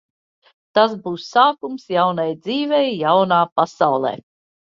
Tas būs sākums jaunai dzīvei jaunā pasaulē.